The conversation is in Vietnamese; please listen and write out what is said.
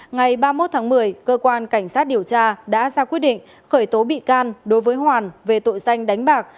ngày ba mươi một tháng một mươi cơ quan cảnh sát điều tra đã ra quyết định khởi tố bị can đối với hoàn về tội danh đánh bạc